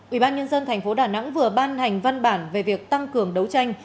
ủy ban nhân dân thành phố đà nẵng vừa ban hành văn bản về việc tăng cường đấu tranh